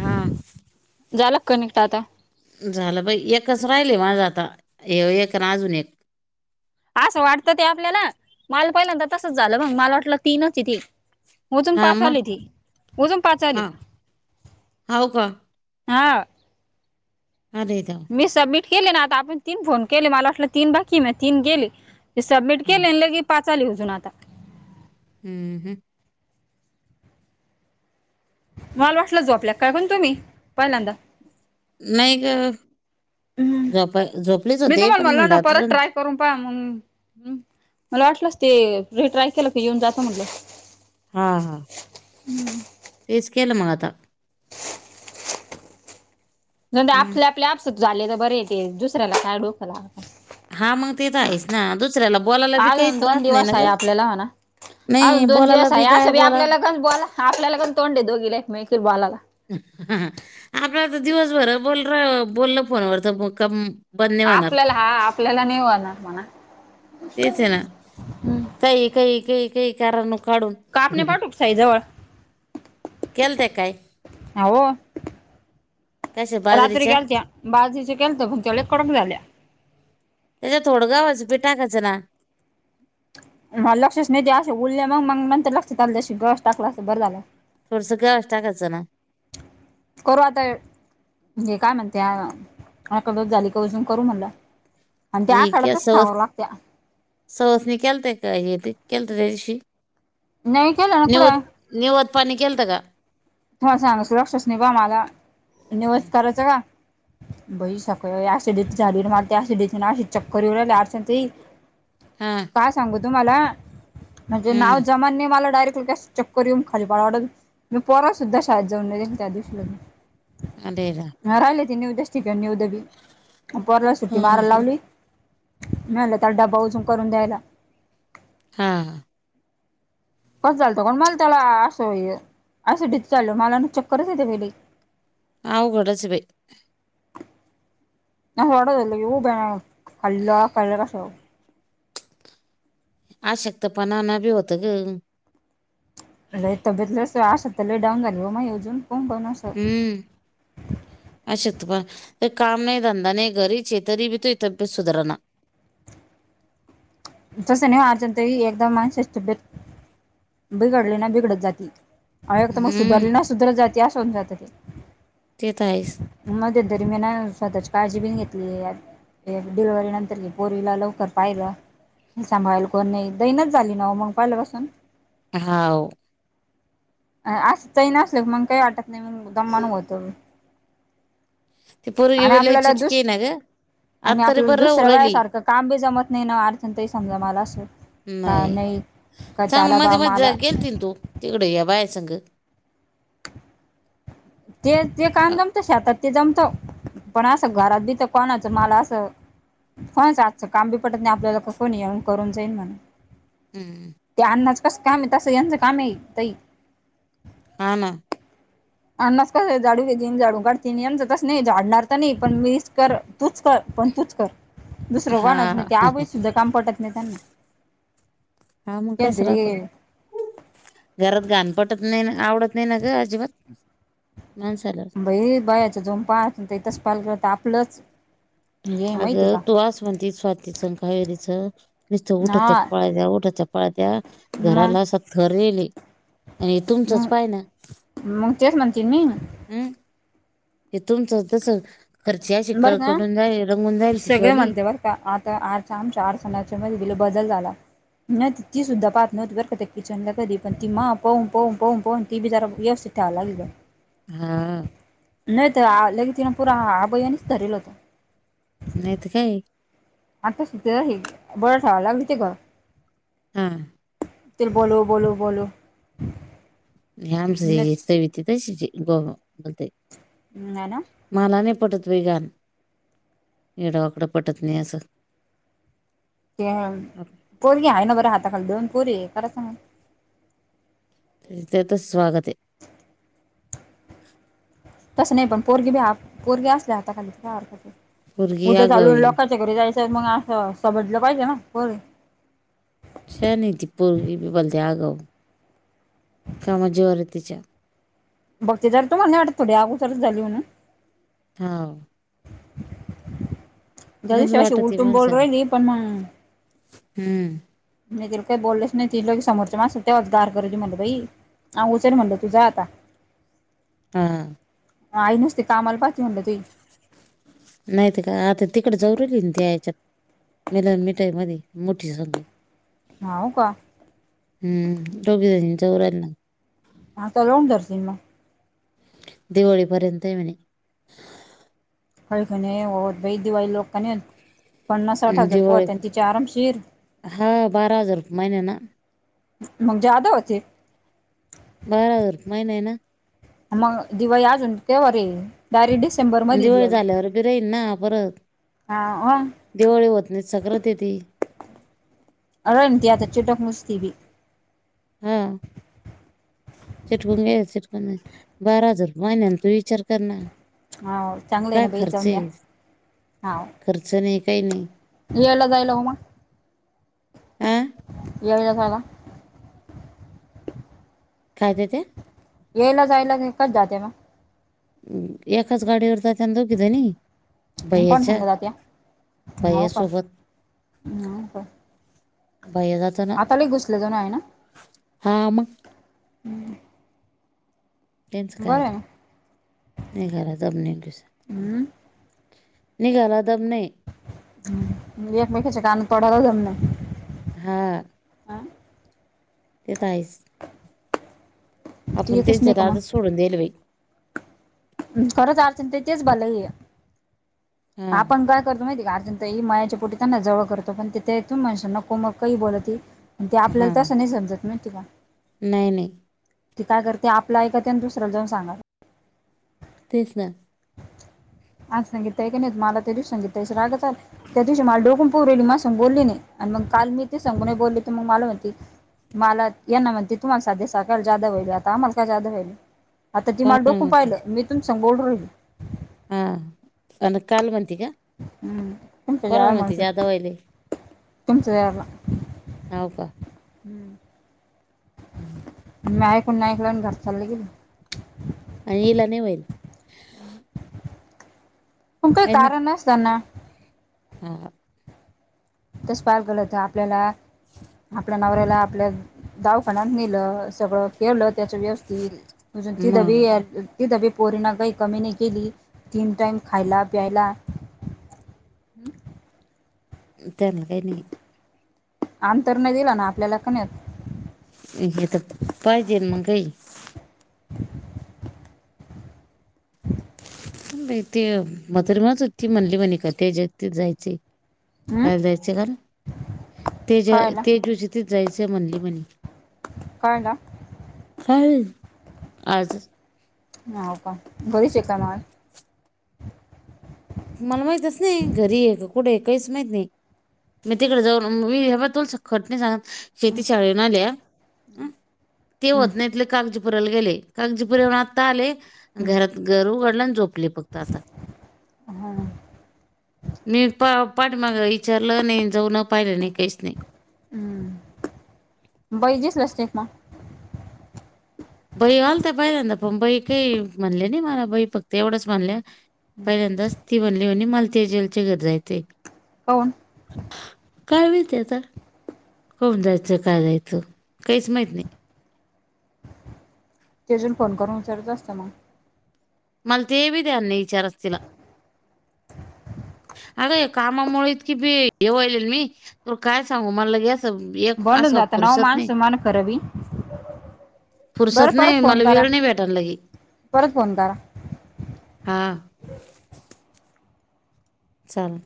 हा झालं कनेक्ट आता झालं बाई एकच राहिलय माझं आता ह्यो एक आणि अजून एक असं वाटतं ते आपल्याला माल पहिल्यांदा तसंच झालंग माल वाटलं तीनच ते उजून हा पाच आली मग ती उजून पाच आली हा हाव का हा अदा मी सबमिट केले ना आता आपण तीन फोन केले मला वाटलं तीन बाकी म तीन गेले ते सबमिट हम्म, केले लगी पाच आली अजून आता हम्म हम् मालवाटला झोपल्या काय कोण तुम्ही पहिल्यांदा नाही ग हम्म झोप झोपलेच मी होते तुम्हाला पण म्हणलो ना परत मुंडातच ट्राय करून पा म्हणुन मनू मला वाटलंच ते रिट्राय केलं की येऊन जातं म्हटलं हा हा हम्म तेच केलं मग आता नण मग आपले आपल्या आपस झाले तर बरे येते दुसऱ्याला काय डोक लाव हा मग ते तर आहेस ना दुसऱ्याला बोलायला बी अजून काहीच दोन राहत नाही ना दिवस आहे ग आपल्याला म्हणा. नाही अजून दोन बोलायला दिवस बी आहे काय असं ब बोला आपल्यालाण बोला आपल्यालागण तोंड द दोघीला एक मेकीला बॉलाला आपल्या तर दिवसभर बोल र बोलल फोनवर तर का आपल्याला हा आपल्याला नेऊणार म्हणा तेच आहे ना कई कई कई कई कारण काढून कापने पाटूक सई जवळ केलते काय हो कशा रात्री बाजरीच्या ग्यालत बाज दिवशी केलत पण त्या कडम झाल्या त्याच्या थोड गवाच पीठ टाकाच ना ना म लक्षच नाही दे असे उरले मग मग नंतर लक्षात आलं जशी गस टाकला असं बरं झालं थोडसं काय गवाच च टाकच ना करू आता म्हणजे काय म्हणते कबत झाली काजून करू म्हणला आणि त्या आखड्याच खाव लागते सवासण्या केलत्या का हे ते केलत त्याशी नाही केलं ना कुठं निवत नीवद पानी केलत गा तुम्हाला सांग सुरक्षस नाही बा मला निवस करायचं का बई सकऍसिडी झाडी मारतेसिडी आसी चक्कर येऊ लागली अर्चना तई हा काय सांगू तुम्हाला म्हणजे नाव हम्म जमानने मला डायरेक्ट ल कॅश चक्कर येऊन खाली पाड वाडत मी पोरा सुद्धा शाळेत जाऊन नाहीे त्या दिवशी लग् हा द्यायला हा राहिलय ते नियुद्या [inaudible] ठीक आहे नियुद्या पोराला सुट्टी हा मारायला हा लावली झालतर तर डबा उचून करून द्यायला हा कसं चालतं ग मला त्याला असं असं डीचाळ मला ना चक्करच येते बाई लय आवघडच हाय बाई. आवघडा झालं की उभ्या खाईला जरा आस. आशक्तपणा न बी होतं ग. लय तब्बत लईच आशात तर लय डाऊन झाली व माई कावून कोणास हम्म. अशक्तपण काय काम नाही धंदा नाही घरीचे तरी बी तू तब्येत सुधारणा. तसं नाही ओ अर्चना तई एकदा माणसेची तब्येत बिघडली ना बिघडत जाती. आणि एकत मग हम्म सुधरली ना सुधरत जाते असं होऊन जात ते. ते तर आहेच. मध्यंतरी मी ना स्वतःची काळजी बि घेतलेली हाय. एक डिलिव्हरी नंतर ही पोरीला लवकर पाहिलं. हित सांभाळायला कोण नाही दैनाच झाली ना व मग पाहिल्या पासून. हाव. हा अस चैन असल्यावर मग काय वाटतं नाय मगं दमांन होत. पोरगी बी लई आपल्याला चिटकी दुस हाय ना ग. आता आणि तरी आपल्याला बरं होऊ दुसऱ्या राहिली बायासारखं काम बी जमत नाही ना अर्चना ताई समजा मला आस. हा नाही नाई. चांगलं मध्ये मध्ये जा गेलतीन तू तिकड या बाई संग. ते ते काम अ, जमतं शेतात ते जमत. पण असं घरात बिथ कोणाच मला अस कोणाच्या हातच काम बी पटत नाही आपल्याला कोणी येऊन करून जाईल म्हणून. हम्म. ते आण्णाचं कसं काम हाय तसं यांचं काम हाय ताई. हा ना. आण्णाचं कस हाय झाडू घेतील झाडू काढतील याचं तसं नाही झाडणार तर नाही पण मीच कर. तूच कर पण तूच कर दुसरं हा कोणाच नाही त्या हा आभयचं सुद्धा काम पटत नाही त्यांना. हा मग कस त्यांचं राहत. हे घरात घाण पटत नाही ना आवडत नाही ना ग अजिबात. माणसाला. बये बायाचं दोन पाय हात तसं पहायला गेलं तर आपलंच म्हणजे माहिती अगं का तू आस म्हणतीस स्वातीच आण कावेरीच. निसत उठत्यात हा पळत्यात उठत्या पाळत्या मग घराला आस थर यायले. आणि तुमचंच मग पायना. मग तेच म्हणते मी हम हे तूमचं तस घरचे आसे बरं कळ का करून सगळे म्हणते बर का आता आता आमच्या आर्चनाच्या मध्ये बी बदल झाला. नाहीतर ती सुद्धा पाहत नव्हती बरका त्या किचनला कधी पण ती माह पाहून पाहून पाहून पाहून ती बी जरा यवस्थित त्या लागली बाई. हा नाहितर आ लगेच तिने पूरा अभयाणीच धरेल होत. नाही तर काय. आता सुद्धा हे बळ ठेवाय लागली होती ग. हा तिला बोलव बोलव बोलव. हे आमच हे सविती तशीचये बो बो बोलतंय. हम हाय ना. माला नाय पटत बाई घाण. येडं वाकड पटत नाय असं. ते हाय पोरगी हाय ना बर हाताखाली दोन पोरी हाय खरं सांगायचं तेच तिथंच स्वागते. तसं नाही पण पोरगी ब पोरगे असले आता खालीर पोरगी उद आगाव चालून आहे लोक घरी जायचं मग असं समजलं पाहिजे हो नई छान आहे ती पोर गी बी पण ती आगाऊ कामा जीवावर आहे तिच्या बघती तर तुमला नाही वाटत थोडी अगोदरच झाली म्हणून हा ज्या गंज दिवशी अस वाटत आहे उलटून माणसाला बोलरय नि पण मगं हम्म म तिला काही बोललंच नाही ति लो समोरच्या मानसला तवच गार करायची म्हण बाई हा उचल म्हणलं तु जा आता हा आई नुसती कामाल पााती म्हणलं तही नाहीत का आता तिकड जरुरी त्या यायच्यात मिल मिठाई मध्ये मोठी संग हा हो का हम् दोघी जणी जऊ राहिली ना हा त लाऊन दर्सी म दिवाळीपर्यंत हाय म्हणे खळ ख हो भई दिवाळी लोक क पन्नासाठ हम्म, हजार दिवाळी होत्यात न तिची आरमशीर हा बारा हजार रुपये महिना ना मग ज्यादा होचे बार महि नाही ना मग दिवाळी आजुन किती वर हे डायरेक्ट दिस दिवाळी झाल्यावर बी राहील ना परत हा दिवाळी होत नाही सक्रत येती रन ती आता चिटक मुस्तीबी हा चिटकून गे चिटकून बारा हजार महिन्याला तू विचार कर ना हा चांगले आहे काय ना बाई खर्च जाऊ द्या आहे हा खर्च नाही काही नाही यायला जायला हो मग आ यायला जायला काय देते यायला जायला नाही कच जाते मग एकाच गाडीवर जात्या ना दोघीज नी भईया च्या म हो का म हो का भैया जातो ना आता लई घुसले जाण आहे ना हा मग त्यांच काय बरं हाय आहे ना नाही घरा जमनी दिस हम्म नीघला दम नाही एकमेकीचे कान तोडायला दम नाही हा ते तर हाय च ती आपण येतच त्यांच नाही का दारच मग सोडून दईल बाई खरं अडचण तेच भलाय हा आपण काय करतो माहितीे गार्जन ह मायाच्या पोटी त्यांना जवळ करतो पण तिथथून माणशांना को मग काही बोलत ते हा आपल्याला तसं नाही समजत माहिती का नाही नाही तेी काय करते आपलं ऐक त्या आणि दुसरं जाऊन सांगा तेच ना आज सांगितय का नाही मला त्या दिवशी सांगितय रागतल त्या दिवशी मला डोकून पुरली म संगोोलली नाही आणि मग काल मी ते सांगून नाही बोलले तर मग मला म्हणती मला यांना म्हणते तुम्हाला साध्या सकाळ जादा व्हाईल आता आम्हाला काय जादा व्हाल आता ती मला कोणाला डोकून म्हणते पाहिलं मी तुून सांगोोल राहिली हां अ काल बंत का हम्म कोणाला तपजार म्हणते जादा मासत व्हायले तमचला हम्म हो का हम् मीकण ऐकला घर चाललं गेलं आणि इिला नाही होईल त काय आहे ना कारण अस असताना हा तस पार गलत आपल्याला आपल्या नवऱ्याला आपल्या दावखान्यात नेलं सगळं केलं त्याच व्यवस् ती म्ह ती दवी मग या ती ब पोरीणा काही कमी नाही केली तीन टाईम खायला प्यायला त्यान काा नाही अंतर नाही दिला ना आपल्याला क नाहीत ह तर पायजे मंगई ते मदरमाच होती म्हणली म्हणे का त्या जत जायचे हम्म काय जायचंय का ते ज कळायला ते दिवशी तेच जायचं म्हणली म्हणे कोयला ख अज हो का घरी श का म मला माहितच नाही घरी आहे कुठे काहीच माहित नाही मी तिकडे जाऊन मी हे तुोलस खट नाही सांग हम्म शेती शा आल्या तेत इ का पराला गेले कागजीपुर आता आले हम्म घरात घर उघडला आणि झोपले फक्त आता हा मी पा पाठीमाग विचारलं नाही जाऊन पाहिलं नाही काहीच नाही हम्म बहिजेस ब टेक म बई घालता पहिल्यांदा पण बई काही म्हणले नाही मला बई फक्त एवढंच म्हणले पहिल्यांदाच ती बनली हो आणि मालती जलचे घर जायचे पान काय मिळते तर होण जायचं का दयचं काहीच माहीत नाही ते अजून फोन करून विचारयचं असतं मग मला तेबी द्यान नाही विचारा तीला अगं कामामुळे इतकी बी हे वाईले मी त काय सांगू मला ले अस एक बनून असं जातं ना हो पुरसत नाही माणसं मान खरं बी बरं पुरसत परत नाही फोन मला करा वेळ नाही भेटायला की परत फोन करा हां चाल